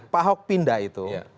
pak ahok pindah itu